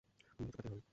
মূল্য চোকাতেই হবে!